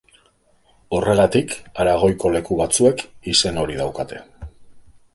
Horregatik Aragoiko leku batzuek izen hori daukate.